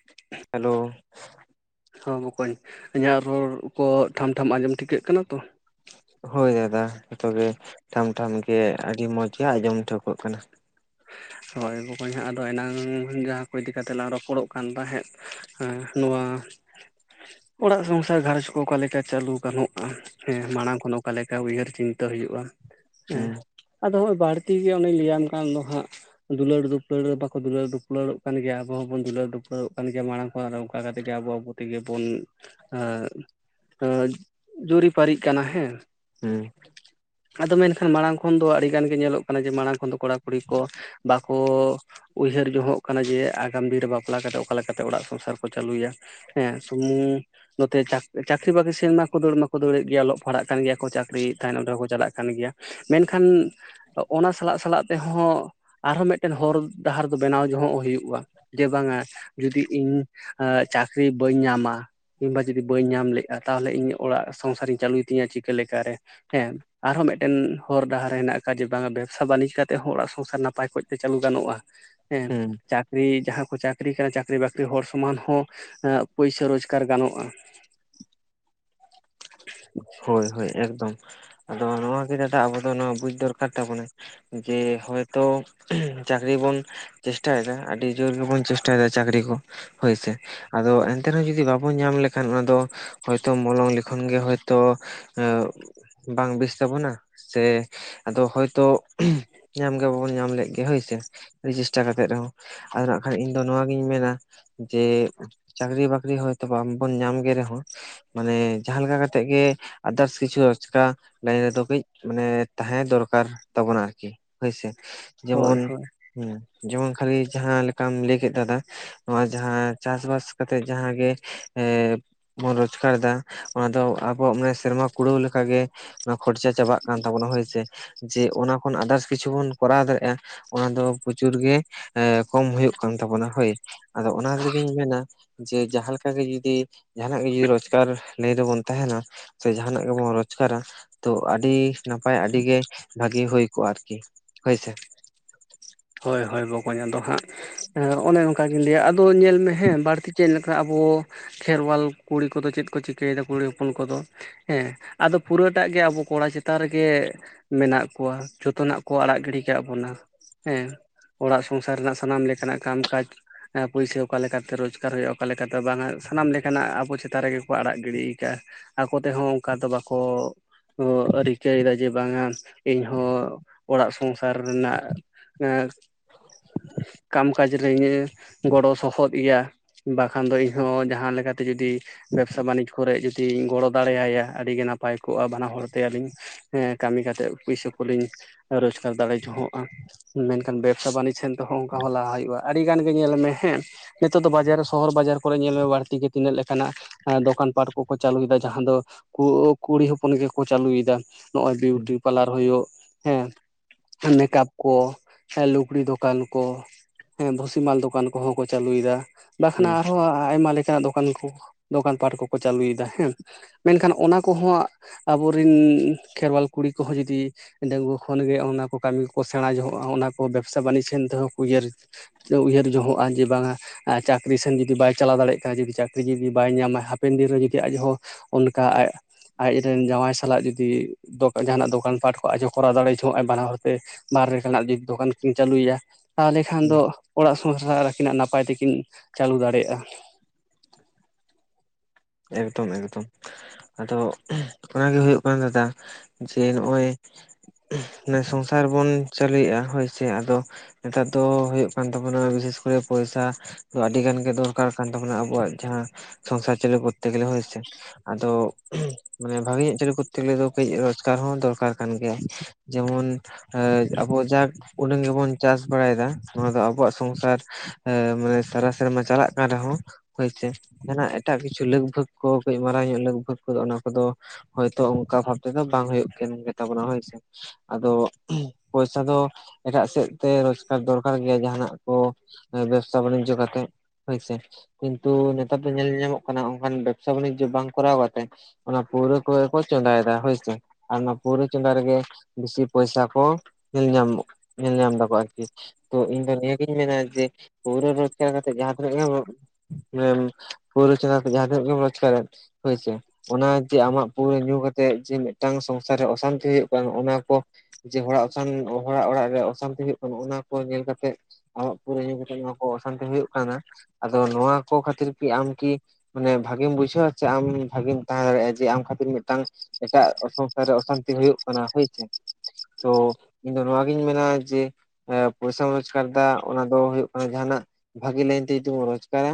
[inaudible] Hello. ᱦᱚᱸ ᱵᱚᱠᱚᱧ ᱤᱧᱟᱹᱜ ᱨᱚᱲ ᱠᱚ ᱴᱷᱟᱢ ᱴᱷᱟᱢ ᱟᱸᱡᱚᱢ ᱴᱷᱤᱠᱟᱹᱜ ᱠᱟᱱᱟ ᱛᱚ? ᱦᱳᱭ ᱫᱟᱫᱟ ᱡᱚᱛᱚ ᱜᱮ ᱴᱷᱟᱢ ᱴᱷᱟᱢ ᱜᱮ ᱟᱹᱰᱤ ᱢᱚᱸᱡᱽ ᱜᱮ ᱟᱸᱡᱚᱢ ᱴᱷᱟᱹᱣᱠᱟᱹᱜ ᱠᱟᱱᱟ᱾ ᱦᱳᱭ ᱵᱚᱠᱚᱧ ᱦᱟᱸᱜ ᱟᱫᱚ ᱮᱱᱟᱝ ᱡᱟᱦᱟᱸ ᱠᱚ ᱤᱫᱤ ᱠᱟᱛᱮ ᱞᱟᱝ ᱨᱚᱯᱚᱲᱚᱜ ᱠᱟᱱ ᱛᱟᱦᱮᱸᱫ ᱦᱮᱸ ᱱᱚᱣᱟ ᱚᱲᱟᱜ ᱥᱚᱝᱥᱟᱨ ᱜᱷᱟᱨᱚᱸᱡᱽ ᱠᱚ ᱚᱠᱟᱞᱮᱠᱟ ᱪᱟᱹᱞᱩ ᱜᱟᱱᱚᱜ ᱦᱮᱸ ᱢᱟᱲᱟᱝ ᱠᱷᱚᱱ ᱚᱠᱟ ᱞᱮᱠᱟ ᱩᱭᱦᱟᱹᱨ ᱪᱤᱱᱛᱟᱹ ᱦᱩᱭᱩᱜᱼᱟ, ᱦᱮᱸ᱾ ᱦᱩᱸ ᱟᱫᱚ ᱦᱚᱸᱜᱼᱚᱭ ᱵᱟᱹᱲᱛᱤ ᱜᱮ ᱚᱱᱮᱧ ᱞᱟᱹᱭᱟᱢ ᱠᱟᱱ ᱫᱚ ᱦᱟᱸᱜ ᱫᱩᱞᱟᱹᱲ ᱫᱩᱯᱞᱟᱹᱲ ᱨᱮ ᱵᱟᱠᱚ ᱫᱩᱞᱟᱹᱲ ᱫᱩᱯᱞᱟᱹᱲᱚᱜ ᱠᱟᱱ ᱜᱮᱭᱟ, ᱟᱵᱚ ᱦᱚᱸᱵᱚᱱ ᱫᱩᱞᱟᱹᱲ ᱫᱩᱯᱠᱟᱹᱲᱚᱜ ᱠᱟᱱ ᱜᱮᱭᱟ ᱢᱟᱲᱟᱝ ᱠᱷᱚᱱ ᱚᱱᱠᱟ ᱠᱟᱛᱮᱜ ᱜᱮ ᱟᱵᱚ ᱟᱵᱚ ᱛᱮᱜᱮ ᱵᱚᱱ ᱮᱸ ᱮ ᱡᱩᱨᱤᱯᱟᱨᱤᱜ ᱠᱟᱱᱟ ᱦᱮᱸ᱾ ᱦᱮᱸ᱾ ᱟᱫᱚ ᱢᱮᱱᱠᱷᱟᱱ ᱢᱟᱲᱟᱝ ᱠᱷᱚᱱ ᱫᱚ ᱟᱹᱰᱤ ᱜᱟᱱ ᱜᱮ ᱧᱮᱞᱚᱜ ᱠᱟᱱᱟ ᱡᱮ ᱢᱟᱲᱟᱝ ᱠᱷᱚᱱ ᱫᱚ ᱠᱚᱲᱟ ᱠᱚ ᱠᱩᱲᱤ ᱠᱚ ᱵᱟᱠᱚ ᱩᱭᱦᱟᱹᱨ ᱡᱚᱦᱚᱜ ᱠᱟᱱᱟ ᱡᱮ, ᱟᱜᱟᱢ ᱫᱤᱱ ᱨᱮ ᱵᱟᱯᱞᱟ ᱠᱟᱛᱮᱫ ᱚᱠᱟ ᱞᱮᱠᱟᱛᱮ ᱚᱲᱟᱜ ᱥᱚᱝᱥᱟᱨ ᱠᱚ ᱪᱟᱹᱞᱩᱭᱟ᱾ ᱦᱮᱸ ᱥᱩᱢᱩᱝ ᱱᱚᱛᱮ ᱪᱟᱹᱠ-ᱪᱟᱹᱠᱨᱤ ᱵᱟᱹᱠᱨᱤ ᱥᱮᱱ ᱢᱟᱠᱚ ᱫᱟᱹᱲ ᱢᱟᱠᱚ ᱫᱟᱹᱲᱮᱫ ᱜᱮᱭᱟ, ᱚᱞᱚᱜ ᱯᱟᱲᱦᱟᱜ ᱠᱟᱱ ᱜᱮᱭᱟ ᱠᱚ ᱪᱟᱹᱠᱨᱤᱭᱮᱫ ᱛᱟᱦᱮᱱ ᱟᱸᱰᱮ ᱦᱚᱸᱠᱚ ᱪᱟᱞᱟᱜ ᱠᱟᱱ ᱜᱮᱭᱟ᱾ ᱢᱮᱱᱠᱷᱟᱱ ᱚᱱᱟ ᱥᱟᱞᱟᱜ ᱥᱟᱞᱟᱜ ᱛᱮ ᱦᱚᱸ ᱟᱨᱦᱚᱸ ᱢᱮᱫᱴᱮᱱ ᱦᱚᱨ-ᱰᱟᱦᱟᱨ ᱫᱚ ᱵᱮᱱᱟᱣ ᱡᱚᱸᱦᱚᱜ ᱦᱩᱭᱩᱜ-ᱟ᱾ ᱡᱮ ᱵᱟᱝᱟ ᱡᱩᱫᱤ ᱤᱧ ᱟᱹ ᱪᱟᱹᱠᱨᱤ ᱵᱟᱹᱧ ᱧᱟᱢᱟ ᱠᱤᱢᱵᱟ ᱡᱩᱫᱤ ᱵᱟᱹᱧ ᱧᱟᱢ ᱞᱮᱜ-ᱟ ᱛᱟᱦᱚᱞᱮ ᱤᱧ ᱚᱲᱟᱜ ᱥᱚᱝᱥᱟᱨᱤᱧ ᱪᱟᱹᱞᱩᱭ ᱛᱤᱧᱟ ᱪᱤᱠᱟᱹ ᱞᱮᱠᱟ ᱨᱮ᱾ ᱦᱮᱸ ᱟᱨᱦᱚᱸ ᱢᱮᱫᱴᱮᱱ ᱦᱚᱨ ᱰᱟᱦᱟᱨ ᱦᱮᱱᱟᱜ ᱟᱠᱟᱜ-ᱟ ᱡᱮ ᱵᱟᱝᱟ ᱵᱮᱵᱥᱟ ᱵᱟᱹᱱᱤᱡᱽ ᱠᱟ ᱛᱮᱜ ᱦᱚᱸ ᱚᱲᱟᱜ ᱥᱚᱝᱥᱟᱨ ᱱᱟᱯᱟᱭ ᱠᱚᱡ ᱛᱮ ᱪᱟᱹᱞᱩ ᱜᱟᱱᱚᱜ-ᱟ ᱦᱮᱸ ᱦᱩᱸ ᱪᱟᱠ ᱨᱤ ᱡᱟᱦᱟᱸ ᱠᱚ ᱪᱟᱹᱠᱨᱤ ᱠᱟᱱᱟ ᱪᱟᱹᱠᱨᱤ ᱵᱟᱹᱠᱨᱤ ᱦᱚᱲ ᱥᱚᱢᱟᱱ ᱦᱚᱸ ᱯᱩᱭᱥᱟᱹ ᱨᱳᱡᱽᱜᱟᱨ ᱜᱟᱱᱚᱜ-ᱟ ᱾ [inaudible] ᱦᱳᱭ ᱦᱳᱭ ᱮᱠᱫᱚᱢ ᱟᱫᱚ ᱱᱚᱣᱟ ᱜᱮ ᱫᱟᱫᱟ ᱟᱵᱚ ᱫᱚ ᱱᱚᱣᱟ ᱵᱩᱡ ᱫᱚᱨᱠᱟᱨ ᱛᱟᱵᱚᱱᱟ ᱾ ᱡᱮ ᱦᱳᱭᱛᱳ ᱪᱟᱹᱠᱨᱤ ᱵᱚᱱ ᱪᱮᱥᱴᱟᱭᱮᱫᱟ ᱟᱹᱰᱤ ᱡᱳᱨ ᱜᱮᱵᱚᱱ ᱪᱮᱥᱴᱟᱭᱮᱫᱟ ᱪᱟᱹᱠᱨᱤ ᱠᱚ ᱦᱳᱭᱥᱮ ᱾ ᱟᱫᱚ ᱮᱱᱛᱮ ᱨᱮᱦᱚᱸ ᱡᱚᱫᱤ ᱵᱟᱵᱚᱱ ᱧᱟᱢ ᱞᱮᱠᱷᱟᱱ ᱚᱱᱟ ᱫᱚ ᱦᱚᱭᱛᱚ ᱢᱚᱞᱚᱝ ᱞᱤᱠᱷᱚᱱ ᱜᱮ ᱦᱳᱭ ᱛᱚ ᱵᱟᱝ ᱵᱮᱥ ᱛᱟᱵᱚᱱᱟ ᱥᱮ ᱟᱫᱚ ᱦᱳᱭᱛᱳ ᱧᱟᱢ ᱜᱮ ᱵᱟᱵᱚᱱ ᱧᱟᱢ ᱞᱮᱫ ᱜᱮ ᱦᱳᱭᱥᱮ ᱟᱹᱰᱤ ᱪᱮᱥᱴᱟ ᱠᱟᱛᱮᱜ ᱨᱮᱦᱚᱸ ᱾ ᱟᱫᱚ ᱱᱟᱜ ᱠᱷᱟᱱ ᱤᱧᱫᱚ ᱱᱚᱣᱟᱜᱤᱧ ᱢᱮᱱᱟ ᱡᱮ ᱪᱟᱹᱠᱨᱤ ᱵᱟᱹᱠᱨᱤ ᱦᱚᱭᱛᱚ ᱵᱟᱝᱵᱚᱱ ᱧᱟᱢ ᱜᱮ ᱨᱮᱦᱚᱸ ᱢᱟᱱᱮ ᱡᱟᱦᱟᱸ ᱞᱮᱠᱟ ᱠᱟᱛᱮᱜ ᱜᱮ ᱟᱫᱟᱨᱥ ᱠᱤᱪᱷᱩ ᱨᱚᱪᱠᱟ ᱞᱟᱭᱤᱱ ᱨᱮᱫᱚ ᱠᱟᱹᱡ ᱢᱟᱱᱮ ᱛᱟᱦᱮᱸ ᱫᱚᱨᱠᱟᱨ ᱛᱟᱵᱚᱱᱟ ᱟᱨᱠᱤ ᱦᱳᱭᱥᱮ ᱦᱳᱭ ᱡᱮᱢᱚᱱ ᱦᱳᱭ ᱦᱮᱸ ᱡᱮᱢᱚᱱ ᱠᱷᱟᱞᱤ ᱡᱟᱦᱟᱸ ᱞᱮᱠᱟᱢ ᱞᱟᱹᱭ ᱠᱮᱫ ᱫᱟᱫᱟ ᱱᱚᱣᱟ ᱡᱟᱦᱟᱸ ᱪᱟᱥᱵᱟᱥ ᱠᱟᱛᱮᱜ ᱡᱟᱦᱟᱸ ᱜᱮ ᱮ ᱵᱚᱱ ᱨᱳᱡᱽᱜᱟᱨ ᱮᱫᱟ ᱚᱱᱟᱫᱚ ᱟᱵᱚᱣᱟᱜ ᱢᱟᱱᱮ ᱥᱮᱨᱢᱟ ᱠᱩᱲᱟᱹᱣ ᱞᱮᱠᱟᱜᱮ ᱾ ᱠᱷᱚᱨᱪᱟ ᱪᱟᱵᱟᱜ ᱠᱟᱱ ᱛᱟᱵᱳᱱᱟ ᱦᱳᱭᱥᱮ ᱡᱮ ᱚᱱᱟ ᱠᱷᱚᱱ ᱟᱫᱟᱨᱥ ᱠᱤᱪᱷᱩ ᱵᱚᱱ ᱠᱚᱨᱟᱣ ᱫᱟᱲᱮᱭᱟᱜ-ᱟ ᱚᱱᱟ ᱫᱚ ᱯᱨᱚᱪᱩᱨ ᱜᱮ ᱠᱚᱢ ᱦᱩᱭᱩᱜ ᱠᱟᱱ ᱛᱟᱵᱳᱱᱟ ᱦᱳᱭ ᱾ ᱟᱫᱚ ᱚᱱᱟᱨᱮᱜᱤᱧ ᱢᱮᱱᱟ ᱡᱮ ᱡᱟᱦᱟᱸ ᱞᱮᱠᱟ ᱜᱮ ᱡᱩᱫᱤ ᱡᱟᱦᱟᱱᱟᱜ ᱜᱮ ᱡᱩᱫᱤ ᱨᱳᱡᱽᱜᱟᱨ ᱞᱟᱹᱭᱤᱱ ᱨᱮᱵᱚᱱ ᱛᱟᱦᱮᱸᱱᱟ ᱥᱮ ᱡᱟᱦᱟᱱᱟᱜ ᱜᱮᱵᱚᱱ ᱨᱳᱡᱽᱜᱟᱨᱟ ᱛᱚ ᱟᱹᱰᱤ ᱱᱟᱯᱟᱭ ᱟᱹᱰᱤᱜ ᱜᱮ ᱵᱷᱟᱜᱤ ᱦᱩᱭ ᱠᱚᱜ-ᱟ ᱟᱨᱠᱤ ᱦᱳᱭᱥᱮ ᱾ ᱦᱳᱭ ᱦᱳᱭ ᱵᱚᱠᱚᱧ ᱟᱫ ᱦᱟᱸᱜ ᱮ ᱚᱱᱮ ᱚᱱᱠᱟ ᱜᱤᱧ ᱞᱟᱹᱭᱟ ᱟᱫᱚ ᱧᱮᱞ ᱢᱮ ᱦᱮᱸ ᱵᱟᱹᱲᱛᱤ ᱪᱮᱫ ᱞᱮᱠᱟ ᱟᱵᱚ ᱠᱷᱮᱨᱣᱟᱞ ᱠᱩᱲᱤ ᱠᱚᱫᱚ ᱪᱮᱫ ᱠᱚ ᱪᱤᱠᱟᱹᱭᱮᱫᱟ ᱠᱩᱲᱤ ᱦᱚᱯᱚᱱ ᱠᱚᱫᱚ ᱦᱮᱸ ᱟᱫᱚ ᱯᱩᱨᱟᱹᱴᱟᱜ ᱜᱮ ᱟᱵᱚ ᱠᱚᱲᱟ ᱪᱮᱛᱟᱱ ᱨᱮᱜᱮ ᱢᱮᱱᱟᱜ ᱠᱚᱣᱟ ᱡᱚᱛᱚᱱᱟᱜ ᱠᱚ ᱟᱲᱟᱜ ᱜᱤᱰᱤ ᱠᱟᱜ ᱵᱚᱱᱟ ᱾ ᱦᱮᱸ ᱚᱲᱟᱜ ᱥᱚᱝᱥᱟᱨ ᱨᱮᱱᱟᱜ ᱥᱟᱱᱟᱢ ᱞᱮᱠᱟᱱᱟᱜ ᱠᱟᱢ ᱠᱟᱡ ᱯᱩᱭᱥᱟᱹ ᱚᱠᱟ ᱞᱮᱠᱟᱛᱮ ᱨᱳᱡᱽᱜᱟᱨ ᱦᱩᱭᱩᱜ-ᱟ ᱚᱠᱟ ᱞᱮᱠᱟᱛᱮ ᱵᱟᱝᱟ ᱥᱟᱱᱟᱢ ᱞᱮᱠᱟᱱᱟᱜ ᱟᱵᱚ ᱪᱮᱛᱟᱱ ᱨᱮᱜᱮ ᱠᱚ ᱟᱲᱟᱜ ᱜᱤᱰᱤᱠᱟᱜ-ᱟ ᱾ ᱟᱠᱚ ᱛᱮᱦᱚᱸ ᱚᱱᱠᱟ ᱫᱚ ᱵᱟᱠᱚ ᱨᱤᱠᱟᱹᱭᱮᱫᱟ ᱡᱮ ᱵᱟᱝᱟ ᱤᱧᱦᱚᱸ ᱚᱲᱟᱜ ᱥᱚᱝᱥᱟᱨ ᱨᱮᱱᱟᱜ ᱮᱫ [inaudible] ᱠᱟᱢ ᱠᱟᱡᱽ ᱨᱮᱧ ᱜᱚᱲᱚ ᱥᱚᱦᱚᱫ ᱮᱭᱟ ᱵᱟᱠᱷᱟᱱ ᱫᱚ ᱤᱧᱦᱚᱸ ᱡᱟᱦᱟᱸ ᱞᱮᱠᱟᱛᱮ ᱡᱩᱫᱤ ᱵᱮᱵᱽᱥᱟ ᱵᱟᱱᱤᱡᱽ ᱠᱚᱨᱮᱜ ᱡᱚᱫᱤᱧ ᱜᱚᱲᱚ ᱫᱟᱲᱮᱭᱟᱭᱟ ᱟᱹᱰᱤᱜᱮ ᱱᱟᱯᱟᱭ ᱠᱚᱜ-ᱟ ᱾ ᱵᱟᱱᱟ ᱦᱚᱲᱛᱮ ᱟᱹᱞᱤᱧ ᱦᱮᱸ ᱠᱟᱹᱢᱤ ᱠᱟᱛᱮᱜ ᱯᱩᱭᱥᱟᱹ ᱠᱚᱞᱤᱧ ᱨᱳᱡᱽᱜᱟᱨ ᱫᱟᱲᱮ ᱡᱚᱝᱚᱜ-ᱟ ᱾ ᱢᱮᱱᱠᱷᱟᱱ ᱵᱮᱵᱽᱥᱟ ᱵᱟᱱᱤᱡᱽ ᱥᱮᱱ ᱛᱮᱦᱚᱸ ᱚᱱᱠᱟ ᱦᱚᱸ ᱞᱟᱦᱟ ᱦᱩᱭᱩᱜ-ᱟ ᱟᱹᱰᱤ ᱜᱟᱱ ᱜᱮ ᱧᱮᱞ ᱢᱮ ᱦᱮᱸ ᱱᱤᱛᱚᱜ ᱫᱚ ᱵᱟᱡᱟᱨ ᱥᱚᱦᱚᱨ ᱵᱟᱡᱟᱨ ᱠᱚᱨᱮ ᱧᱮᱞ ᱢᱮ ᱵᱟᱲᱛᱤ ᱜᱮ ᱛᱤᱱᱟᱹᱜ ᱞᱮᱠᱟᱱᱟᱜ ᱫᱚᱠᱟᱱ ᱯᱟᱴ ᱠᱚᱠᱚ ᱪᱟᱹᱞᱩᱭᱮᱫᱟ ᱡᱟᱦᱟᱸ ᱫᱚ [unintelligible] ᱠᱩᱲᱤ ᱦᱚᱯᱚᱱ ᱜᱮᱠᱚ ᱪᱟᱹᱞᱩᱭᱫᱟ᱾ ᱱᱚᱜ-ᱚᱭ ᱦᱩᱸ ᱵᱤᱭᱩᱴᱤ ᱯᱟᱨᱞᱟᱨ ᱦᱩᱭᱩᱜ ᱦᱮᱸ ᱢᱮᱠᱟᱯ ᱠᱚ ᱦᱮᱸ ᱞᱩᱜᱽᱲᱤ ᱫᱚᱠᱟᱱ ᱠᱚ ᱦᱮᱸ ᱵᱷᱩᱥᱤ ᱢᱟᱞ ᱫᱚᱠᱟᱱ ᱠᱚᱦᱚᱸ ᱠᱚ ᱪᱟᱹᱞᱩᱭᱫᱟ᱾ ᱵᱟᱠᱷᱟᱱ ᱦᱩᱸ ᱟᱨᱦᱚᱸ ᱟᱭᱢᱟ ᱞᱮᱠᱟᱱᱟᱜ ᱫᱚᱠᱟᱱ ᱠᱚ ᱫᱚᱠᱟᱱ ᱯᱟᱴ ᱠᱚᱠᱚ ᱪᱟᱹᱞᱩᱭᱮᱫᱟ ᱦᱮᱸ᱾ ᱢᱮᱱᱠᱷᱟᱱ ᱚᱱᱟ ᱠᱚᱦᱚᱸ ᱟᱵᱚᱨᱤᱱ ᱠᱷᱮᱨᱣᱟᱞ ᱠᱩᱲᱤ ᱠᱚᱦᱚᱸ ᱡᱩᱫᱤ ᱰᱟᱹᱜᱩᱟᱹ ᱠᱷᱚᱱᱜᱮ ᱚᱱᱟ ᱠᱚ ᱠᱟᱹᱢᱤ ᱠᱚ ᱥᱮᱬᱟ ᱡᱚᱦᱚᱜ ᱚᱱᱟ ᱠᱚ ᱵᱮᱵᱽᱥᱟ ᱵᱟᱹᱱᱤᱡᱽᱱ ᱛᱮᱦᱚᱸ ᱠᱚ ᱩᱭᱦᱟᱹᱨ ᱩᱭᱦᱟᱹᱨ ᱡᱚᱦᱚᱜ-ᱟ ᱡᱮ ᱵᱟᱝᱟ ᱪᱟᱹᱠᱨᱤ ᱥᱮᱱ ᱡᱩᱫᱤ ᱵᱟᱭ ᱪᱟᱞᱟᱣ ᱫᱟᱲᱮᱭᱟᱜ ᱠᱟᱱᱟ ᱡᱩᱫᱤ ᱪᱟᱹᱠᱨᱤ ᱡᱩᱫᱤ ᱵᱟᱭ ᱧᱟᱢᱟ ᱦᱟᱯᱮᱱ ᱫᱤᱱ ᱨᱮ ᱡᱩᱫᱤ ᱟᱡᱦᱚᱸ ᱾ ᱚᱱᱠᱟ ᱟᱡ ᱟᱡᱨᱮᱱ ᱡᱟᱶᱟᱭ ᱥᱟᱞᱟᱜ ᱡᱩᱫᱤ ᱡᱟᱦᱟᱱᱟᱜ ᱫᱚᱠᱟᱱ ᱯᱟᱴ ᱠᱷᱚᱱ ᱟᱡᱦᱚ ᱠᱚᱨᱟᱣ ᱫᱟᱲᱮᱭ ᱱᱚᱜᱼᱚᱭ ᱵᱟᱱᱟ ᱦᱚᱲᱛᱮ ᱵᱟᱨᱮ ᱱᱟᱜ ᱡᱩᱫᱤ ᱫᱚᱠᱟᱱ ᱠᱤᱱ ᱪᱟᱹᱞᱩᱭᱟ ᱛᱟᱦᱚᱞᱮ ᱠᱷᱟᱱ ᱦᱩᱸ ᱫᱚ ᱚᱲᱟᱜ ᱥᱚᱝᱥᱟᱨ ᱟᱹᱠᱤᱱᱟᱜ ᱱᱟᱯᱟᱭ ᱛᱮᱠᱤᱱ ᱪᱟᱹᱞᱩ ᱫᱟᱲᱮᱭᱟᱜ-ᱟ ᱾ ᱮᱠᱫᱚᱢ ᱮᱠᱫᱚᱢ ᱾ ᱟᱫᱚ ᱚᱱᱟᱜᱮ ᱦᱳᱭᱳᱜ ᱠᱟᱱᱟ ᱫᱟᱫᱟ ᱡᱮ ᱱᱚᱜ-ᱚᱭ ᱱᱮ ᱥᱚᱝᱥᱟᱨ ᱵᱚᱱ ᱪᱟᱹᱞᱩᱭᱮᱜ-ᱟ ᱦᱳᱭ ᱥᱮ ᱟᱫᱚ ᱱᱮᱛᱟᱨ ᱫᱚ ᱦᱳᱭᱳᱜ ᱠᱟᱱ ᱛᱟᱵᱚᱱᱟ ᱵᱤᱥᱮᱥ ᱠᱚᱨᱮ ᱯᱚᱭᱥᱟ ᱟᱹᱰᱤ ᱜᱟᱱ ᱜᱮ ᱫᱚᱨᱠᱟᱨ ᱠᱟᱱ ᱛᱟᱵᱚᱱᱟ ᱟᱵᱚᱣᱟᱜ ᱡᱟᱦᱟᱸ ᱥᱚᱝᱥᱟᱨ ᱪᱟᱞᱩ ᱠᱚᱨ ᱠᱚᱨᱛᱮ ᱜᱮᱞᱮ ᱦᱳᱭᱥᱮ ᱟᱫᱚ ᱢᱟᱱᱮ ᱵᱷᱟᱜᱤ ᱧᱚᱜ ᱪᱟᱹᱞᱩ ᱠᱚᱨᱛᱮ ᱜᱮᱞᱮ ᱟᱫᱚ ᱠᱟᱹᱡ ᱨᱚᱡᱽᱠᱟᱨ ᱦᱚᱸ ᱫᱚᱨᱠᱟᱨ ᱠᱟᱱ ᱜᱮᱭᱟ, ᱡᱮᱢᱚᱱ ᱮ ᱟᱵᱚ ᱡᱟᱠ ᱩᱰᱟᱹᱝ ᱜᱮᱵᱚᱱ ᱪᱟᱥ ᱵᱟᱲᱟᱭᱮᱫᱟ ᱱᱚᱣᱟ ᱫᱚ ᱟᱵᱚᱣᱟᱜ ᱥᱚᱝᱥᱟᱨ ᱮ ᱢᱟᱱᱮ ᱥᱟᱨᱟ ᱥᱮᱨᱢᱟ ᱪᱟᱞᱟᱜ ᱠᱟᱱ ᱨᱮᱦᱚᱸ ᱦᱳᱭᱥᱮ ᱡᱟᱦᱱᱟᱜ ᱮᱴᱟᱜ ᱠᱤᱪᱷᱩ ᱞᱟᱹᱠ ᱞᱟᱹᱜᱵᱷᱟᱹᱜ ᱠᱚ ᱠᱟᱹᱡ ᱢᱟᱨᱟᱝ ᱧᱚᱜ ᱞᱟᱹᱜᱵᱷᱟᱹᱜ ᱠᱚᱫᱚ ᱚᱱᱟ ᱠᱚᱫᱚ ᱦᱳᱭᱛᱳ ᱚᱝᱠᱟ ᱵᱷᱟᱵᱽ ᱛᱮᱫᱚ ᱵᱟᱝ ᱦᱳᱭᱳᱜ ᱠᱟᱱ ᱜᱮᱛᱟ ᱵᱚᱱᱟ ᱦᱳᱭᱥᱮ᱾ ᱟᱫᱚ ᱯᱚᱭᱥᱟ ᱫᱚ ᱮᱴᱟᱜ ᱥᱮᱫ ᱛᱮ ᱨᱚᱡᱠᱟᱨ ᱫᱚᱨᱠᱟᱨ ᱜᱮᱭᱟ ᱡᱟᱦᱟᱱᱟᱜ ᱠᱚ ᱵᱮᱵᱥᱟ ᱵᱟᱱᱤᱡᱽᱡᱚ ᱠᱟᱛᱮᱜ ᱦᱳᱭᱥᱮ ᱠᱤᱱᱛᱩ ᱱᱮᱛᱟᱨ ᱫᱚ ᱧᱮᱞ ᱧᱟᱢᱚᱜ ᱠᱟᱱᱟ ᱟᱱ ᱵᱮᱵᱥᱟ ᱵᱟᱱᱤᱡᱡᱚ ᱵᱟᱝ ᱠᱚᱨᱟᱣ ᱠᱟᱛᱮ ᱚᱱᱟ ᱯᱟᱹᱣᱨᱟᱹ ᱠᱚᱜᱮ ᱠᱚ ᱪᱚᱸᱫᱟᱭᱫᱟ ᱦᱳᱭ ᱥᱮ᱾ ᱟᱨ ᱚᱱᱟ ᱯᱟᱹᱣᱨᱟᱹᱣ ᱪᱚᱸᱫᱟ ᱨᱮᱜᱮ ᱵᱮᱥᱤ ᱯᱚᱭᱥᱟ ᱠᱚ ᱧᱮᱞ ᱧᱟᱢ ᱧᱮᱞ ᱧᱟᱢ ᱫᱟᱠᱚ ᱟᱨᱠᱤ ᱾ ᱛᱚ ᱤᱧ ᱫᱚ ᱱᱤᱭᱟᱹᱜᱤᱧ ᱢᱮᱱᱟ ᱡᱮ ᱯᱟᱹᱣᱨᱟᱹ ᱨᱚᱡᱽᱠᱟᱨ ᱠᱟᱛᱮᱜ ᱡᱟᱦᱟᱸ ᱛᱤᱱᱟᱹᱜ ᱜᱮᱢ [inaudible] ᱯᱟᱹᱣᱨᱟᱹ ᱪᱚᱸᱫᱟ ᱠᱟᱛᱮ ᱡᱟᱦᱟᱸ ᱛᱤᱱᱟᱹᱜ ᱜᱮᱢ ᱨᱚᱡᱽᱠᱟᱨ ᱮᱫ ᱦᱳᱭ ᱥᱮ᱾ ᱚᱱᱟ ᱡᱮ ᱟᱢᱟᱜ ᱯᱟᱹᱣᱨᱟᱹ ᱧᱩ ᱠᱟᱛᱮᱜ ᱡᱮ ᱢᱤᱫᱴᱟᱝ ᱥᱚᱝᱥᱟᱨ ᱨᱮ ᱚᱥᱟᱱᱛᱤ ᱦᱩᱭᱩᱜ ᱠᱟᱱ ᱚᱱᱟ ᱠᱚ ᱡᱮ ᱦᱚᱲᱟᱜ ᱚᱥᱟᱱ ᱦᱚᱲᱟᱜ ᱚᱲᱟᱜ ᱨᱮ ᱚᱥᱟᱱᱛᱤ ᱦᱳᱭᱳᱜ ᱠᱟᱱᱟ ᱚᱱᱟ ᱠᱚ ᱧᱮᱞ ᱠᱟᱛᱮᱜ ᱟᱢᱟᱜ ᱯᱟᱹᱣᱨᱟᱹ ᱧᱩ ᱠᱟᱛᱮᱜ ᱱᱚᱣᱟ ᱠᱚ ᱚᱥᱟᱱᱛᱤ ᱦᱩᱭᱩᱜ ᱠᱟᱱᱟ, ᱟᱫᱚ ᱱᱚᱣᱟ ᱠᱚ ᱠᱷᱟᱹᱛᱤᱨ ᱠᱤ ᱟᱢ ᱠᱤ ᱢᱟᱱᱮ ᱵᱷᱟᱜᱮᱢ ᱵᱩᱡᱷᱟᱹᱣᱟ ᱥᱮ ᱟᱢ ᱵᱷᱟᱜᱮᱢ ᱛᱟᱦᱮᱸ ᱫᱟᱲᱮᱭᱟᱜ-ᱟ ᱡᱮ ᱟᱢ ᱠᱷᱟᱹᱛᱤᱨ ᱢᱮᱫᱴᱟᱝ ᱮᱴᱟᱜ ᱥᱚᱝᱥᱟᱨ ᱨᱮ ᱚᱥᱟᱱᱛᱤ ᱦᱳᱭᱳᱜ ᱠᱟᱱᱟ ᱦᱳᱭ ᱥᱮ᱾ ᱛᱚ ᱤᱧ ᱫᱚ ᱱᱚᱣᱟ ᱜᱤᱧ ᱢᱮᱱᱟ ᱡᱮ ᱯᱚᱭᱥᱟᱢ ᱨᱚᱡᱠᱟᱨ ᱮᱫᱟ ᱚᱱᱟ ᱫᱚ ᱦᱳᱭᱳᱜ ᱠᱟᱱᱟ ᱡᱟᱦᱟᱱᱟᱜ ᱵᱷᱟᱹᱜᱤ ᱞᱟᱭᱤᱱ ᱛᱮ ᱡᱩᱫᱤ ᱵᱚᱱ ᱨᱚᱡᱽᱠᱟᱨᱟ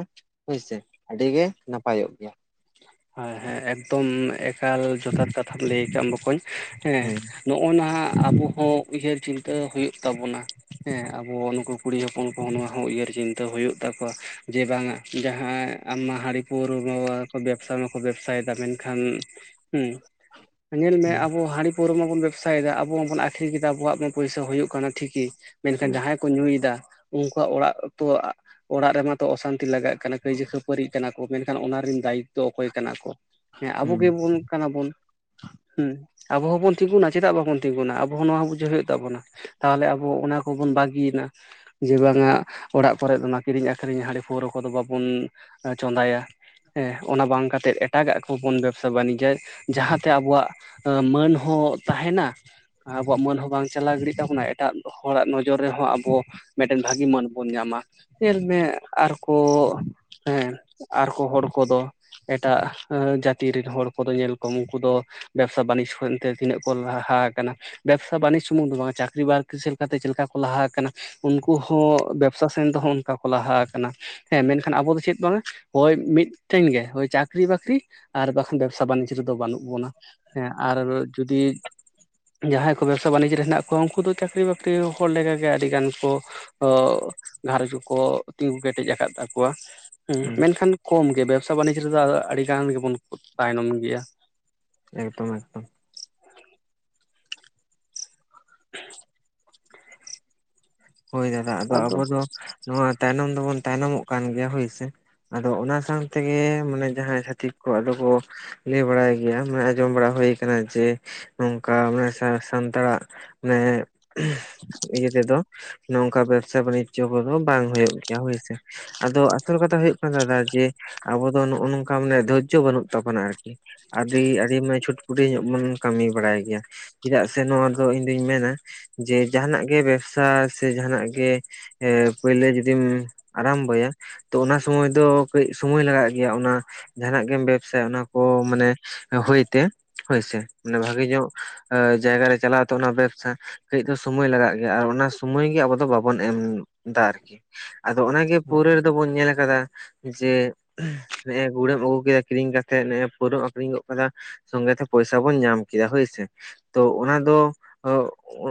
ᱦᱳᱭᱥᱮ ᱟᱹᱰᱤ ᱜᱮ ᱱᱟᱯᱟᱭᱚᱜ ᱜᱮᱭᱟ ᱾ ᱦᱮᱸ ᱮᱠᱫᱚᱢ ᱮᱠᱟᱞ ᱡᱚᱛᱷᱟᱛ ᱠᱟᱛᱷᱟᱢ ᱞᱟᱹᱭ ᱠᱟᱜ ᱵᱚᱠᱚᱧ ᱦᱮᱸ᱾ ᱦᱩᱸ ᱱᱚᱜ-ᱱᱟ ᱟᱵᱚ ᱠᱚ ᱩᱭᱦᱟᱹᱨ ᱪᱤᱱᱛᱟᱹ ᱦᱳᱭᱳᱜ ᱛᱟᱵᱚᱱᱟ᱾ ᱦᱮᱸ ᱟᱵᱚ ᱱᱩᱠᱩ ᱠᱩᱲᱤ ᱦᱚᱯᱚᱱ ᱠᱚᱦᱚᱸ ᱱᱚᱣᱟ ᱦᱚᱸ ᱩᱭᱦᱟᱹᱨ ᱪᱤᱱᱛᱟᱹ ᱦᱳᱭᱳᱜ ᱛᱟᱠᱚᱣᱟ ᱡᱮ ᱵᱟᱝᱟ ᱡᱟᱦᱟᱸ ᱟᱢ ᱢᱟ ᱦᱟᱹᱲᱤ ᱯᱟᱹᱣᱨᱟᱹ [inaudible] ᱠᱚ ᱵᱮᱯ ᱵᱮᱵᱥᱟ ᱢᱟᱠᱚ ᱵᱮᱵᱥᱟᱭᱮᱫᱟ ᱢᱮᱱᱠᱷᱟᱱ ᱦᱩᱸ ᱧᱮᱞ ᱢᱮ ᱦᱩᱸ ᱟᱵᱚ ᱦᱟᱸᱲᱤ ᱯᱟᱹᱣᱨᱟᱹ ᱢᱟᱵᱚᱱ ᱵᱮᱵᱥᱟᱭᱮᱫᱟ ᱟᱵᱚ ᱢᱟᱵᱚᱱ ᱟᱠᱷᱨᱤᱧ ᱮᱫᱟ ᱟᱵᱚᱣᱟᱜ ᱢᱟ ᱯᱚᱭᱥᱟ ᱦᱩᱭᱩᱜ ᱠᱟᱱᱟ ᱴᱷᱤᱠᱤ ᱢᱮᱱᱠᱷᱟᱱ ᱡᱟᱦᱟᱸᱭ ᱠᱚ ᱧᱩᱭᱮᱫᱟ ᱩᱱᱠᱩᱣᱟᱜ ᱚᱲᱟᱜ ᱛᱚ, ᱚᱲᱟᱜ ᱨᱮᱢᱟ ᱛᱚ ᱚᱥᱟᱱᱛᱤ ᱞᱟᱜᱟᱜ ᱠᱟᱱᱟ ᱠᱟᱹᱭᱡᱟᱹ ᱠᱷᱟᱹᱯᱟᱹᱨᱤᱜ ᱠᱟᱱᱟ ᱢᱮᱱᱠᱷᱟᱱ ᱚᱱᱟ ᱨᱤᱱ ᱫᱟᱭᱤ ᱫᱚ ᱚᱠᱚᱭ ᱠᱟᱱᱟ ᱠᱚ ᱦᱮᱸ ᱟᱵᱚ ᱦᱩᱸ ᱜᱮᱵᱚᱱ ᱠᱟᱱᱟᱵᱚᱱ᱾ ᱦᱩᱸ ᱟᱵᱚ ᱦᱚᱸᱵᱚᱱ ᱛᱤᱸᱜᱩᱱᱟ ᱪᱮᱫᱟᱜ ᱵᱟᱵᱚᱱ ᱛᱤᱸᱜᱩᱱᱟ ᱟᱵᱚ ᱦᱚᱸ ᱱᱚᱣᱟ ᱵᱩᱡᱷᱟᱹᱣ ᱦᱳᱭᱳᱜ ᱛᱟᱵᱚᱱᱟ᱾ ᱛᱟᱦᱚᱞᱮ ᱟᱵᱚ ᱚᱱᱟ ᱠᱚᱵᱚᱱ ᱵᱟᱹᱜᱤᱭᱮᱱᱟ᱾ ᱡᱮ ᱵᱟᱝᱟ ᱚᱲᱟᱜ ᱠᱚᱨᱮᱜ ᱫᱚ ᱱᱚᱣᱟ ᱠᱤᱨᱤᱧ ᱟᱠᱷᱨᱤᱧᱟ ᱦᱟᱺᱰᱤ ᱯᱟᱹᱣᱨᱟᱹ ᱠᱚᱫᱚ ᱵᱟᱵᱚᱱ ᱪᱚᱸᱫᱟᱭᱟ᱾ ᱦᱮᱸ ᱚᱱᱟ ᱵᱟᱝ ᱠᱟᱛᱮᱫ ᱮᱴᱟᱜᱟᱜ ᱠᱚ ᱵᱚᱱ ᱵᱮᱵᱥᱟ ᱵᱟᱱᱤᱡᱟ ᱡᱟᱦᱟᱸᱛᱮ ᱟᱵᱚᱣᱟᱜ ᱟᱹ ᱢᱟᱹᱱ ᱦᱚᱸ ᱛᱟᱦᱮᱱᱟ ᱟᱵᱚᱣᱟᱜ ᱢᱟᱹᱱ ᱦᱚᱸ ᱵᱟᱝ ᱪᱟᱞᱟᱣ ᱜᱤᱲᱤᱜ ᱛᱟᱵᱚᱱᱟ ᱮᱴᱟᱜ ᱦᱚᱲᱟᱜ ᱱᱚᱡᱚᱨ ᱨᱮᱦᱚᱸ ᱟᱵᱚ ᱢᱤᱫᱴᱮᱱ ᱵᱷᱟᱹᱜᱤ ᱢᱟᱹᱱ ᱵᱚᱱ ᱧᱟᱢᱟ᱾ ᱧᱮᱞ ᱢᱮ ᱟᱨᱠᱚ ᱦᱮᱸ ᱟᱨᱠᱚ ᱦᱚᱲ ᱠᱚᱫᱚ ᱮᱴᱟᱜ ᱮᱸ ᱡᱟᱹᱛᱤ ᱨᱤᱱ ᱦᱚᱲ ᱠᱚᱫᱚ ᱧᱮᱞ ᱠᱚᱢ ᱩᱱᱠᱩ ᱫᱚ ᱵᱮᱵᱽᱥᱟ ᱵᱟᱹᱱᱤᱡᱽ ᱠᱷᱚᱱ ᱛᱮ ᱛᱤᱱᱟᱹᱜ ᱠᱚ ᱞᱟᱦᱟ ᱟᱠᱟᱱᱟ᱾ ᱵᱮᱵᱽᱥᱟ ᱵᱟᱹᱱᱤᱡᱽ ᱥᱩᱢᱩᱝ ᱫᱚ ᱵᱟᱝᱟ ᱪᱟᱹᱠᱨᱤ ᱵᱟᱹᱨᱠᱤ ᱥᱮᱜ ᱞᱮᱠᱟᱛᱮ ᱪᱮᱫ ᱞᱮᱠᱟ ᱠᱚ ᱞᱟᱦᱟ ᱟᱠᱟᱱᱟ᱾ ᱩᱱᱠᱩ ᱦᱚᱸ ᱵᱮᱵᱥᱟ ᱥᱮᱱ ᱫᱚ ᱦᱚᱸᱜ ᱚᱱᱠᱟ ᱠᱚ ᱞᱟᱦᱟ ᱟᱠᱟᱱᱟ᱾ ᱦᱮᱸ ᱢᱮᱱᱠᱷᱟᱱ ᱟᱵᱚ ᱫᱚ ᱪᱮᱫ ᱵᱟᱝᱟ ᱦᱳᱭ ᱢᱤᱫᱴᱷᱮᱱ ᱜᱮ᱾ ᱦᱳᱭ ᱪᱟᱹᱠᱨᱤ ᱵᱟᱠᱨᱤ ᱟᱨ ᱵᱟᱠᱷᱟᱱ ᱵᱮᱵᱽᱥᱟ ᱵᱟᱱᱤᱡᱽ ᱨᱮᱫᱚ ᱵᱟᱹᱱᱩᱜ ᱵᱚᱱᱟ᱾ ᱦᱮᱸ ᱟᱨ ᱡᱩᱫᱤ ᱡᱟᱦᱟᱸᱭ ᱠᱚ ᱵᱮᱵᱽᱥᱟ ᱵᱟᱱᱤᱡᱽ ᱨᱮ ᱦᱮᱱᱟᱜ ᱠᱚᱣᱟ ᱩᱱᱠᱩ ᱫᱚ ᱪᱟᱹᱠᱨᱤ ᱵᱟᱹᱠᱨᱤ ᱦᱚᱲ ᱞᱮᱠᱟᱜᱮ ᱟᱹᱰᱤ ᱜᱟᱱ ᱠᱚ ᱚ ᱜᱷᱟᱸᱨᱚᱸᱡᱽ ᱠᱚᱠᱚ ᱛᱤᱸᱜᱩ ᱠᱮᱴᱮᱡ ᱟᱠᱟᱫ ᱛᱟᱠᱚᱣᱟ᱾ ᱦᱩᱸ ᱢᱮᱱᱠᱷᱟᱱ ᱠᱚᱢ ᱜᱮ ᱵᱮᱵᱽᱥᱟ ᱵᱟᱹᱱᱤᱡᱽ ᱨᱮᱫᱚ ᱟᱫᱚ ᱟᱹᱰᱤ ᱜᱟᱱ ᱜᱮᱵᱚᱱ ᱛᱟᱭᱱᱚᱢ ᱜᱮᱭᱟ᱾ ᱮᱠᱫᱚᱢ ᱮᱠᱫᱚᱢ᱾ [inaudible] ᱦᱳᱭ ᱫᱟᱫᱟ ᱟᱫᱚ ᱟᱵᱚ ᱫᱚ ᱱᱚᱣᱟ ᱛᱟᱭᱱᱚᱢ ᱫᱚᱵᱚᱱ ᱛᱟᱭᱱᱚᱢᱚᱜ ᱠᱟᱱ ᱜᱮᱭᱟ ᱦᱳᱭ ᱥᱮ᱾ ᱟᱫᱚ ᱚᱱᱟ ᱥᱟᱝ ᱛᱮᱜᱮ ᱢᱟᱱᱮ ᱡᱟᱦᱟᱸᱭ ᱪᱷᱟᱹᱛᱤᱠ ᱠᱚ ᱟᱫᱚ ᱠᱚ ᱞᱮᱭ ᱵᱟᱲᱟᱭ ᱜᱮᱭᱟ ᱢᱟᱱᱮ ᱟᱸᱡᱚᱢ ᱵᱟᱲᱟ ᱦᱳᱭ ᱠᱟᱱᱟ ᱡᱮ ᱱᱚᱝᱠᱟ ᱢᱟᱱᱮ ᱥᱟ ᱥᱟᱱᱛᱟᱲᱟᱜ ᱢᱟᱱᱮ ᱤᱭᱟᱹ ᱛᱮᱫᱚ᱾ ᱱᱚᱝᱠᱟ ᱵᱮᱵᱽᱥᱟ ᱵᱟᱱᱤᱡᱡᱚ ᱠᱚᱫᱚ ᱵᱟᱝ ᱦᱳᱭᱳᱜ ᱜᱮᱭᱟ ᱦᱳᱭ ᱥᱮ᱾ ᱟᱫᱚ ᱟᱥᱚᱞ ᱠᱟᱛᱷᱟ ᱦᱳᱭᱳᱜ ᱠᱟᱱᱟ ᱫᱟᱫᱟ ᱡᱮ ᱟᱵᱚ ᱫᱚ ᱱᱚᱜ-ᱚ ᱱᱚᱝᱠᱟ ᱢᱟᱱᱮ ᱫᱷᱳᱨᱡᱚ ᱵᱟᱹᱱᱩᱜ ᱛᱟᱵᱚᱱᱟ ᱟᱨᱠᱤ᱾ ᱟᱹᱰᱤ ᱟᱹᱰᱤ ᱢᱟᱱ ᱪᱷᱚᱴᱯᱩᱴᱭᱟᱹ ᱧᱚᱜ ᱵᱚᱱ ᱠᱟᱹᱢᱤ ᱵᱟᱲᱟᱭ ᱜᱮᱭᱟ᱾ ᱪᱮᱫᱟᱜ ᱥᱮ ᱱᱚᱣᱟ ᱫᱚ ᱤᱧ ᱫᱩᱧ ᱢᱮᱱᱟ ᱡᱮ ᱡᱟᱦᱟᱱᱟᱜ ᱜᱮ ᱵᱮᱵᱽᱥᱟ ᱥᱮ ᱡᱟᱦᱟᱱᱟᱜ ᱜᱮ ᱮ ᱯᱟᱹᱭᱞᱟᱹ ᱡᱩᱫᱤᱢ ᱟᱨᱟᱢᱵᱚᱭᱟ ᱛᱚ ᱚᱱᱟ ᱥᱚᱢᱚᱭ ᱫᱚ ᱠᱟᱹᱡ ᱥᱩᱢᱟᱹᱭ ᱞᱟᱜᱟᱜ ᱜᱮᱭᱟ ᱚᱱᱟ ᱡᱟᱦᱟᱸᱱᱟᱜ ᱜᱮᱢ ᱵᱮᱵᱥᱟᱭᱟ ᱚᱱᱟ ᱠᱚ ᱢᱟᱱᱮ ᱦᱳᱭ ᱛᱮ ᱦᱳᱭ ᱥᱮ, ᱢᱟᱱᱮ ᱵᱷᱟᱜᱮ ᱧᱚᱜ ᱟ ᱡᱟᱭᱜᱟ ᱨᱮ ᱪᱟᱞᱟᱣ ᱛᱮ ᱚᱱᱟ ᱵᱮᱵᱥᱟ ᱠᱟᱹᱡ ᱫᱚ ᱥᱳᱢᱚᱭ ᱞᱟᱜᱟᱜ ᱜᱮᱭᱟ ᱟᱨ ᱚᱱᱟ ᱥᱩᱢᱟᱹᱭ ᱜᱮ ᱟᱵᱚ ᱫᱚ ᱵᱟᱵᱚᱱ ᱮᱢ ᱫᱟ ᱟᱨᱠᱤ, ᱟᱫᱚ ᱚᱱᱟᱜᱮ ᱯᱟᱹᱣᱨᱟᱹ ᱨᱮᱫᱚ ᱵᱚᱱ ᱧᱮᱞ ᱟᱠᱟᱫᱟ ᱡᱮ ᱱᱮᱜ-ᱮ ᱜᱩᱲ ᱮᱢ ᱟᱹᱜᱩ ᱠᱮᱫᱟ ᱠᱤᱨᱤᱧ ᱠᱟᱛᱮᱜ ᱱᱮᱜ-ᱮ ᱯᱟᱣᱨᱟᱹᱢ ᱟᱠᱷᱨᱤᱧ ᱜᱚᱫ ᱠᱟᱫᱟ ᱥᱚᱝᱜᱮᱛᱮ ᱯᱚᱭᱥᱟ ᱵᱚᱱ ᱧᱟᱢ ᱠᱮᱫᱟ ᱦᱳᱭ ᱥᱮ᱾ ᱛᱚ ᱚᱱᱟ ᱫᱚ ᱮ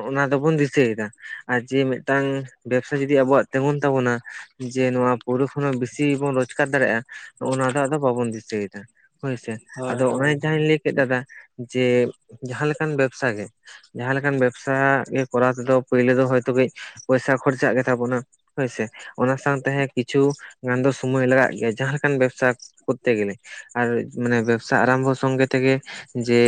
ᱚᱱᱟ ᱫᱚᱵᱚᱱ ᱫᱤᱥᱟᱹᱭᱮᱫᱟ᱾ ᱟ ᱡᱮ ᱢᱤᱫᱴᱟᱝ ᱵᱮᱵᱽᱥᱟ ᱡᱩᱫᱤ ᱟᱵᱚᱣᱟᱜ ᱛᱮᱸᱜᱳᱱ ᱛᱟᱵᱚᱱᱟ ᱡᱮ ᱱᱚᱣᱟ ᱯᱟᱹᱣᱨᱟᱹ ᱠᱷᱚᱱ ᱦᱚᱸ ᱵᱮᱥᱤ ᱵᱚᱱ ᱨᱚᱡᱠᱟᱨ ᱫᱟᱲᱮᱜ-ᱟ, ᱱᱚᱜᱼᱚ ᱱᱚᱣᱟ ᱫᱚ ᱟᱫᱚ ᱵᱟᱵᱚᱱ ᱫᱤᱥᱟᱹᱭᱮᱫᱟ᱾ ᱦᱳᱭᱥᱮ ᱦᱳᱭ ᱟᱫᱚ ᱦᱳᱭ ᱚᱱᱮ ᱡᱟᱦᱟᱸᱧ ᱞᱟᱹᱭ ᱠᱮᱫ ᱫᱟᱫᱟ ᱡᱮ ᱡᱟᱦᱟᱸ ᱞᱮᱠᱟᱱ ᱵᱮᱵᱥᱟ ᱜᱮ ᱡᱟᱦᱟᱸ ᱞᱮᱠᱟᱱ ᱵᱮᱵᱥᱟ ᱜᱮ ᱠᱚᱨᱟᱣ ᱛᱮᱫᱚ ᱯᱟᱹᱭᱞᱟᱹ ᱫᱚ ᱦᱚᱭᱛᱳ ᱠᱟᱹᱡ ᱯᱚᱭᱥᱟ ᱠᱷᱚᱨᱪᱟᱜ ᱜᱮ ᱛᱟᱵᱚᱱᱟ ᱦᱳᱭᱥᱮ, ᱚᱱᱟ ᱥᱟᱶᱛᱮ ᱦᱮᱸ ᱠᱤᱪᱷᱩ ᱜᱟᱱᱫᱚ ᱥᱩᱢᱟᱹᱭ ᱞᱟᱜᱟᱜ ᱜᱮᱭᱟ ᱡᱟᱦᱟᱸ ᱠᱟᱱ ᱵᱮᱵᱥᱟ ᱠᱚᱛᱛᱮ ᱜᱮᱞᱮ, ᱟᱨ ᱢᱟᱱᱮ ᱵᱮᱵᱥᱟ ᱟᱨᱟᱢᱵᱚ ᱥᱚᱝᱜᱮ ᱛᱮᱜᱮ ᱡᱮ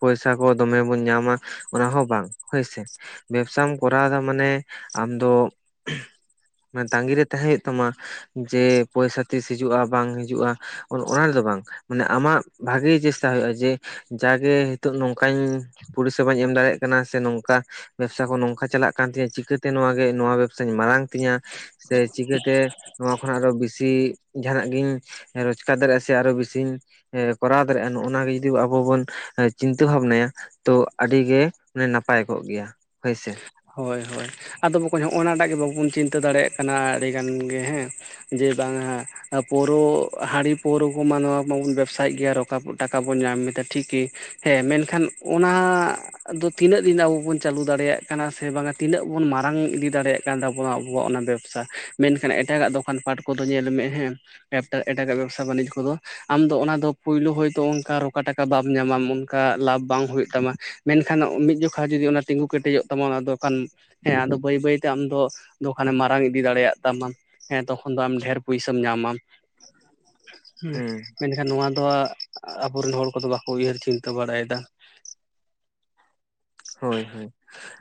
ᱯᱚᱭᱥᱟ ᱠᱚ ᱫᱚᱢᱮ ᱵᱚᱱ ᱧᱟᱢᱟ ᱚᱱᱟ ᱦᱚᱸ ᱵᱟᱝ, ᱦᱳᱭ ᱥᱮ᱾ ᱵᱮᱵᱥᱟᱢ ᱠᱚᱨᱟᱣᱫᱟ ᱢᱟᱱᱮ ᱟᱢᱫᱚ ᱢᱟᱱᱮ ᱛᱟᱸᱜᱤᱨᱮ ᱛᱟᱦᱮᱸ ᱦᱩᱭᱩᱜ ᱛᱟᱢᱟ ᱡᱮ ᱯᱚᱭᱥᱟ ᱛᱤᱥ ᱦᱤᱡᱩᱜ-ᱟ ᱵᱟᱝ ᱦᱤᱡᱩᱜ-ᱟ᱾ ᱚᱱ ᱚᱱᱟ ᱨᱮᱫᱚ ᱵᱟᱝ ᱢᱟᱱᱮ ᱟᱢᱟᱜ ᱵᱷᱟᱜᱮ ᱪᱮᱥᱴᱟ ᱦᱳᱭᱳᱜ-ᱟ ᱡᱮ ᱡᱟᱜᱮ ᱱᱤᱛᱳᱜ ᱱᱚᱝᱠᱟᱧ ᱯᱚᱨᱤᱥᱮᱵᱟᱧ ᱮᱢ ᱫᱟᱲᱮᱭᱟᱜ ᱠᱟᱱᱟ ᱥᱮ ᱱᱚᱝᱠᱟ ᱵᱮᱵᱽᱥᱟ ᱠᱚ ᱱᱚᱝᱠᱟ ᱪᱟᱞᱟᱜ ᱠᱟᱱ ᱛᱤᱧᱟᱹ ᱪᱤᱠᱟᱹᱛᱮ ᱱᱚᱣᱟᱜ ᱜᱮ ᱱᱚᱣᱟ ᱵᱮᱵᱽᱥᱟᱧ ᱢᱟᱨᱟᱝ ᱛᱤᱧᱟᱹ ᱥᱮ ᱪᱤᱠᱟᱹᱛᱮ ᱱᱚᱣᱟ ᱠᱷᱚᱱᱟᱜ ᱟᱨᱚ ᱵᱮᱥᱤ ᱡᱟᱦᱟᱸᱱᱟᱜ ᱜᱤᱧ ᱨᱚᱪᱠᱟᱨ ᱫᱟᱨᱮᱜ-ᱟ ᱥᱮ ᱟᱨᱚ ᱵᱮᱥᱤᱧ ᱠᱚᱨᱟᱣ ᱫᱟᱨᱮᱜ-ᱟ ᱱᱚᱜ-ᱱᱟ ᱜᱮ ᱡᱚᱫᱤ ᱟᱵᱚ ᱵᱚᱱ ᱪᱤᱱᱛᱟᱹ ᱵᱷᱟᱵᱱᱟᱭᱟ ᱛᱚ ᱟᱹᱰᱤᱜ ᱜᱮ ᱱᱟᱯᱟᱭ ᱠᱚᱜ ᱜᱮᱭᱟ ᱦᱳᱭ ᱥᱮ᱾ ᱦᱳᱭ ᱦᱳᱭ ᱟᱫᱚ ᱵᱟᱠᱚᱧ ᱦᱚᱜ- ᱱᱟ ᱴᱟᱜ ᱜᱮ ᱵᱟᱵᱚᱱ ᱪᱤᱱᱛᱟᱹ ᱫᱟᱲᱮᱜ ᱠᱟᱱᱟ ᱟᱹᱰᱤ ᱜᱟᱱ ᱜᱮ ᱦᱮᱸ ᱡᱮ ᱵᱟᱝ ᱦᱟᱸ ᱯᱟᱹᱣᱨᱟᱹ ᱦᱟᱺᱲᱤ ᱯᱟᱹᱣᱨᱟᱹ ᱠᱚᱢᱟ ᱱᱚᱣᱟ ᱢᱟᱵᱚᱱ ᱵᱮᱵᱥᱟᱭᱮᱫ ᱜᱮᱭᱟ ᱨᱚᱠᱟ ᱴᱟᱠᱟ ᱵᱚᱱ ᱧᱟᱢᱮᱫᱟ ᱴᱷᱤᱠ ᱜᱮ ᱦᱮ ᱢᱮᱱᱠᱷᱟᱱ ᱚᱱᱟ ᱫᱚ ᱛᱤᱱᱟᱹᱜ ᱫᱤᱱ ᱟᱵᱚ ᱵᱚᱱ ᱪᱟᱹᱞᱩ ᱫᱟᱲᱮᱭᱟᱜ᱾ ᱥᱮ ᱵᱟᱝᱟ ᱛᱤᱱᱟᱹᱜ ᱵᱚᱱ ᱢᱟᱨᱟᱝ ᱤᱫᱤ ᱫᱟᱲᱮᱭᱟᱜ ᱠᱟᱱ ᱛᱟᱵᱚᱱᱟ ᱟᱵᱚᱣᱟᱜ ᱚᱱᱟ ᱵᱮᱵᱥᱟ ᱢᱮᱱᱠᱷᱟᱱ ᱮᱴᱟᱜᱟᱜ ᱫᱚᱠᱟᱱ ᱯᱟᱴ ᱠᱚᱫᱚ ᱧᱮᱞ ᱢᱮ ᱦᱮᱸ ᱵᱮ ᱮᱴᱟᱜᱟᱜ ᱵᱮᱯᱥᱟ ᱵᱟᱹᱱᱤᱡᱽ ᱠᱚᱫᱚ ᱟᱢ ᱫᱚ ᱚᱱᱟ ᱫᱚ ᱯᱩᱭᱞᱩ ᱦᱚᱭᱛᱚ ᱚᱱᱠᱟ ᱨᱚᱠᱟ ᱴᱟᱠᱟ ᱵᱟᱢ ᱧᱟᱢᱟ ᱚᱱᱠᱟ ᱞᱟᱵᱷ ᱵᱟᱝ ᱦᱩᱭᱩᱜ ᱛᱟᱢᱟ᱾ ᱢᱮᱱᱠᱷᱟᱱ ᱢᱤᱫ ᱡᱚᱠᱷᱟ ᱡᱩᱫᱤ ᱚᱱᱟ ᱛᱤᱸᱜᱩ ᱠᱮᱴᱮᱡᱚᱜ ᱛᱟᱢᱟ ᱚᱱᱟ ᱫᱚ ᱠᱷᱟᱱ ᱦᱮᱸ ᱟᱫᱚ ᱵᱟᱹᱭ ᱵᱟᱹᱭ ᱛᱮ ᱟᱢᱫᱚ ᱫᱚᱠᱟᱱᱮᱢ ᱢᱟᱨᱟᱝ ᱤᱫᱤ ᱫᱟᱲᱮᱭᱟᱜ ᱛᱟᱢᱟ᱾ ᱦᱮᱸ ᱛᱚᱠᱷᱚᱱ ᱫᱚ ᱟᱢ ᱰᱷᱮᱨ ᱯᱩᱭᱥᱟᱹᱟᱢ ᱧᱟᱢ ᱟᱢ᱾ ᱦᱩᱸ ᱢᱮᱱᱠᱷᱟᱱ ᱱᱚᱣᱟ ᱫᱚ ᱟᱵᱚᱨᱮᱱ ᱦᱚᱲ ᱠᱚᱫᱚ ᱵᱟᱠᱚ ᱩᱭᱦᱟᱹᱨ ᱪᱤᱱᱛᱟᱹ ᱵᱟᱲᱟᱭᱮᱫᱟ᱾ ᱦᱳᱭ ᱦᱳᱭ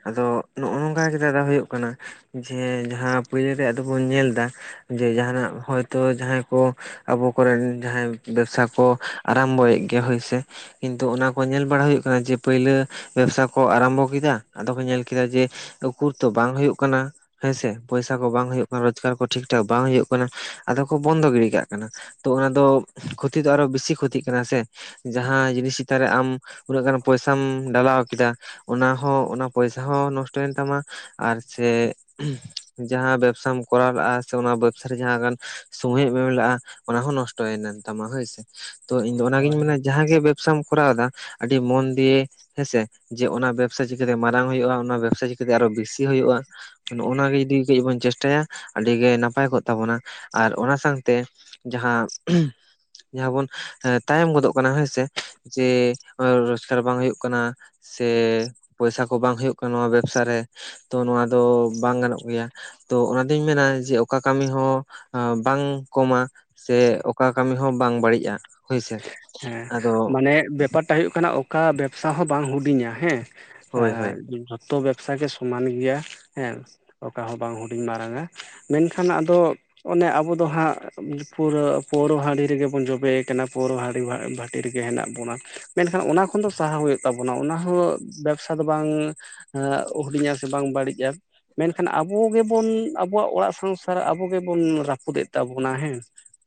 ᱟᱫᱚ ᱱᱚᱜᱼᱚ ᱱᱚᱝᱠᱟ ᱜᱮ ᱫᱟᱫᱟ ᱦᱩᱭᱩᱜ ᱠᱟᱱᱟ᱾ ᱡᱮ ᱡᱟᱦᱟᱸ ᱯᱳᱭᱞᱳ ᱨᱮ ᱟᱫᱚᱵᱚᱱ ᱧᱮᱞ ᱮᱫᱟ ᱡᱮ ᱡᱟᱦᱟᱱᱟᱜ ᱦᱚᱭᱛᱳ ᱡᱟᱦᱟᱸᱭ ᱠᱚ ᱟᱵᱚ ᱠᱚᱨᱮᱱ ᱡᱟᱦᱟᱸᱭ ᱵᱮᱵᱥᱟ ᱠᱚ ᱟᱨᱟᱢ- ᱵᱚᱭᱮᱫ ᱜᱮᱭᱟ ᱦᱳᱭᱥᱮ᱾ ᱠᱤᱱᱛᱩ ᱚᱱᱟ ᱠᱚ ᱧᱮᱞ ᱵᱟᱲᱟ ᱦᱩᱭᱩᱜ ᱠᱟᱱᱟ ᱡᱮ ᱯᱳᱞᱳ ᱵᱮᱵᱽᱥᱟ ᱠᱚ ᱟᱨᱟᱢᱵᱚ ᱠᱮᱫᱟ ᱟᱫᱚ ᱠᱚ ᱧᱮᱞ ᱠᱮᱫᱟ ᱡᱮ ᱩᱠᱩᱨ ᱛᱚ ᱵᱟᱝ ᱦᱳᱭᱳᱜ ᱠᱟᱱᱟ᱾ ᱦᱮᱸᱥᱮ ᱯᱚᱭᱥᱟ ᱠᱚ ᱵᱟᱝ ᱦᱩᱭᱩᱜ ᱠᱟᱱᱟ ᱨᱳᱡᱽᱜᱟᱨ ᱠᱚ ᱴᱷᱤᱠ ᱴᱷᱟᱠ ᱵᱟᱝ ᱦᱩᱭᱩᱜ ᱠᱟᱱᱟ ᱟᱫᱚ ᱠᱚ ᱵᱚᱱᱫᱚ ᱜᱤᱰᱤ ᱠᱟᱜ ᱠᱟᱱᱟ᱾ ᱛᱚ ᱚᱱᱟ ᱫᱚ ᱠᱷᱚᱛᱤ ᱫᱚ ᱟᱨᱚ ᱵᱮᱥᱤ ᱠᱷᱚᱛᱤᱜ ᱠᱟᱱᱟ ᱥᱮ ᱡᱟᱦᱟᱸ ᱡᱤᱱᱤᱥ ᱪᱮᱛᱟᱱ ᱨᱮ ᱟᱢ ᱩᱱᱟᱹᱜ ᱜᱟᱱ ᱯᱚᱭᱥᱟᱢ ᱰᱟᱞᱟᱣ ᱠᱮᱫᱟ᱾ ᱚᱱᱟᱦᱚ ᱚᱱᱟ ᱯᱚᱭᱥᱟ ᱦᱚᱸ ᱱᱚᱥᱴᱚᱭᱮᱱ ᱛᱟᱢᱟ᱾ ᱟᱨ ᱪᱮ ᱡᱟᱦᱟᱸ ᱵᱮᱵᱥᱟᱢ ᱠᱚᱨᱟᱣ ᱞᱟᱜᱼᱟ ᱥᱮ ᱚᱱᱟ ᱵᱮᱵᱥᱟᱮ ᱡᱟᱦᱟᱸ ᱜᱟᱱ ᱥᱳᱢᱚᱭ ᱮᱢ ᱞᱟᱜᱼᱟ ᱚᱱᱟ ᱦᱚᱸ ᱱᱚᱥᱴᱚᱭᱮᱱ ᱛᱟᱢᱟ ᱦᱳᱭ ᱥᱮ᱾ ᱛᱚ ᱤᱧ ᱫᱚ ᱚᱱᱟᱜᱤᱧ ᱢᱮᱱᱟ ᱡᱟᱦᱟᱸᱜᱮ ᱵᱮᱵᱥᱟᱢ ᱠᱚᱨᱟᱣᱮᱫᱟ ᱟᱹᱰᱤ ᱢᱚᱱ ᱫᱤᱭᱮ ᱦᱮᱸᱥᱮ᱾ ᱡᱮ ᱚᱱᱟ ᱵᱮᱵᱥᱟ ᱪᱤᱠᱟᱹᱛᱮ ᱢᱟᱨᱟᱝ ᱦᱩᱭᱩᱜ-ᱟ ᱚᱱᱟ ᱵᱮᱵᱥᱟ ᱪᱤᱠᱟᱹᱛᱮ ᱟᱨᱚ ᱵᱮᱥᱤ ᱦᱩᱭᱩᱜ-ᱟ᱾ ᱱᱚᱜ ᱚᱱᱟ ᱜᱮ ᱡᱩᱫᱤ ᱜᱮ ᱵᱚᱱ ᱪᱮᱥᱴᱟᱭᱟ᱾ ᱟᱹᱰᱤ ᱜᱮ ᱱᱟᱯᱟᱭ ᱠᱚᱜ ᱛᱟᱵᱚᱱᱟ ᱟᱨ ᱚᱱᱟ ᱥᱟᱶᱛᱮ ᱡᱟᱦᱟᱸ᱾ ᱡᱟᱦᱟᱸ ᱵᱚᱱ ᱛᱟᱭᱚᱢ ᱜᱚᱫᱚᱜ ᱠᱟᱱᱟ ᱦᱮᱸᱥᱮ ᱡᱮ ᱨᱳᱡᱜᱟᱨ ᱵᱟᱝ ᱦᱩᱭᱩᱜ ᱠᱟᱱᱟ᱾ ᱥᱮ ᱯᱚᱭᱥᱟ ᱠᱚ ᱵᱟᱝ ᱦᱩᱭᱩᱜ ᱠᱟᱱᱟ ᱱᱚᱣᱟ ᱵᱮᱵᱥᱟ ᱨᱮ ᱛᱚ ᱱᱚᱣᱟ ᱫᱚ ᱵᱟᱝ ᱜᱟᱱᱚᱜ ᱜᱮᱭᱟ᱾ ᱛᱚ ᱚᱱᱟ ᱫᱚᱧ ᱢᱮᱱᱟ ᱡᱮ ᱚᱠᱟ ᱠᱟᱹᱢᱤ ᱦᱚᱸ ᱵᱟᱝ ᱠᱚᱢᱟ ᱥᱮ ᱚᱠᱟ ᱠᱟᱹᱢᱤ ᱦᱚᱸ ᱵᱟᱝ ᱵᱟᱹᱲᱤᱡᱼᱟ ᱦᱳᱭᱥᱮ᱾ ᱦᱮᱸ ᱟᱫᱚ ᱢᱟᱱᱮ ᱵᱮᱯᱟᱨᱴᱟᱜ ᱦᱩᱭᱩᱜ ᱠᱟᱱᱟ ᱚᱠᱟ ᱵᱮᱵᱥᱟ ᱦᱚᱸ ᱵᱟᱝ ᱦᱩᱰᱤᱧᱟ ᱦᱮᱸ ᱦᱳᱭ ᱦᱳᱭ ᱟᱨ ᱡᱚᱛᱚ ᱵᱮᱵᱥᱟ ᱜᱮ ᱥᱚᱢᱟᱱ ᱜᱮᱭᱟ ᱦᱮᱸ᱾ ᱚᱠᱟ ᱦᱚᱸ ᱵᱟᱝ ᱦᱩᱰᱤᱧ ᱢᱟᱨᱟᱝ-ᱟ ᱢᱮᱱᱠᱷᱟᱱ ᱟᱫᱚ ᱚᱱᱮ ᱟᱵᱚ ᱫᱚ ᱦᱟᱸᱜ ᱯᱩᱨᱟᱹ ᱯᱟᱹᱣᱨᱟᱹ ᱦᱟᱺᱰᱤ ᱨᱮᱜᱮ ᱵᱚᱱ ᱡᱚᱵᱮ ᱠᱟᱱᱟ ᱯᱟᱹᱣᱨᱟᱹ ᱦᱟᱺᱰᱤ ᱵᱷᱟᱴᱤ ᱨᱮᱜᱮ ᱦᱮᱱᱟᱜ ᱵᱚᱱᱟ ᱢᱮᱱᱠᱷᱟᱱ ᱚᱱᱟ ᱠᱷᱚᱱ ᱫᱚ ᱥᱟᱦᱟ ᱦᱩᱭᱩᱜ ᱛᱟᱵᱚᱱᱟ ᱚᱱᱟ ᱦᱚᱸ ᱵᱮᱵᱥᱟ ᱫᱚ ᱵᱟᱝ ᱦᱩᱰᱤᱧᱟ ᱥᱮ ᱵᱟᱝ ᱵᱟᱹᱲᱤᱡᱼᱟ᱾ ᱢᱮᱱᱠᱷᱟᱱ ᱟᱵᱚ ᱜᱮᱵᱚᱱ ᱟᱵᱚᱣᱟᱜ ᱚᱲᱟᱜ ᱥᱚᱝᱥᱟᱨ ᱟᱵᱚ ᱜᱮᱵᱚᱱ ᱨᱟᱹᱯᱩᱫᱮᱫ ᱛᱟᱵᱚᱱᱟ ᱦᱮᱸ᱾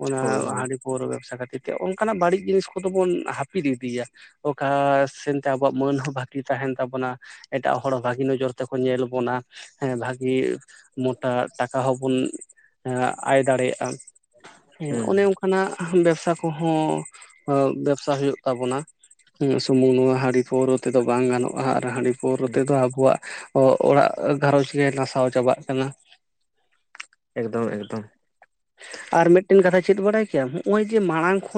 ᱚᱱᱟ ᱦᱳᱭ ᱦᱳᱭ ᱦᱟᱺᱰᱤ ᱯᱟᱹᱣᱨᱟᱹ ᱵᱮᱵᱥᱟ ᱠᱷᱟᱹᱛᱤᱨ ᱛᱮ ᱚᱱᱠᱟᱱᱟᱜ ᱵᱟᱹᱲᱤᱡ ᱡᱤᱱᱤᱥ ᱠᱚᱫᱚ ᱵᱚᱱ ᱦᱟᱹᱯᱤᱫ ᱤᱫᱤᱭᱟ᱾ ᱚᱠᱟ ᱥᱮᱱᱛᱮ ᱟᱵᱚᱣᱟᱜ ᱢᱟᱹᱱ ᱦᱚᱸ ᱵᱷᱟᱹᱜᱤ ᱛᱟᱦᱮᱱ ᱛᱟᱵᱚᱱᱟ᱾ ᱮᱴᱟᱜ ᱦᱚᱲ ᱵᱷᱟᱹᱜᱤ ᱱᱚᱡᱚᱨ ᱛᱮᱠᱚ ᱧᱮᱞ ᱵᱚᱱᱟ᱾ ᱦᱮᱸ ᱵᱷᱟᱜᱤ ᱢᱚᱴᱟ ᱴᱟᱠᱟ ᱦᱚᱸᱵᱚᱱ ᱟᱭ ᱫᱟᱲᱮᱭᱟᱜᱼᱟ ᱦᱮᱸ ᱦᱩᱸ ᱚᱱᱮ ᱚᱱᱠᱟᱱᱟᱜ ᱵᱮᱵᱥᱟ ᱠᱚᱦᱚᱸ ᱵᱮᱵᱥᱟ ᱦᱩᱭᱩᱜ ᱛᱟᱵᱚᱱᱟ ᱥᱩᱢᱩᱝ ᱱᱚᱣᱟ ᱦᱟᱺᱰᱤ ᱯᱟᱹᱣᱨᱟᱹ ᱛᱮᱫᱚ ᱵᱟᱝ ᱜᱟᱱᱚᱜ ᱟᱨ ᱦᱟᱺᱰᱤ ᱯᱟᱹᱣᱨᱟᱹ ᱛᱮᱫᱚ ᱟᱵᱚᱣᱟᱜ ᱚᱲᱟᱜ ᱜᱷᱟᱨᱚᱸᱡᱽ ᱜᱮ ᱱᱟᱥᱟᱣ ᱪᱟᱵᱟᱜ ᱠᱟᱱᱟ᱾ ᱮᱠᱫᱚᱢ ᱮᱠᱫᱚᱢ᱾ ᱟᱨ ᱢᱤᱫᱴᱮᱱ ᱠᱟᱛᱷᱟᱭ ᱪᱮᱫ ᱵᱟᱲᱟᱭ ᱠᱮᱭᱟᱢ ᱱᱚᱜ ᱚᱭ ᱡᱮ ᱢᱟᱲᱟᱝ ᱠᱷᱚᱱ᱾